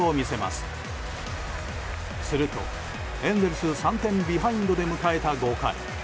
すると、エンゼルス３点ビハインドで迎えた５回。